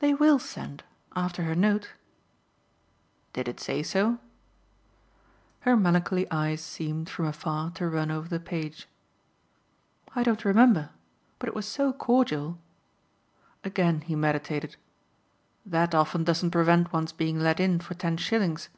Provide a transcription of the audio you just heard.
"They WILL send after her note." "Did it say so?" Her melancholy eyes seemed, from afar, to run over the page. "I don't remember but it was so cordial." Again he meditated. "That often doesn't prevent one's being let in for ten shillings."